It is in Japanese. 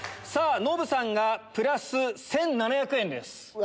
さぁノブさんがプラス１７００円です。